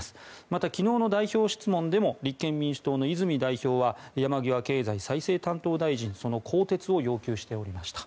また昨日の代表質問でも立憲民主党の泉代表は山際経済再生担当大臣その更迭を要求しておりました。